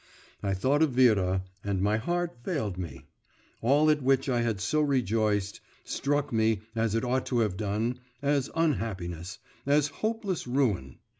I thought of Vera, and my heart failed me; all, at which I had so rejoiced, struck me, as it ought to have done, as unhappiness, as hopeless ruin.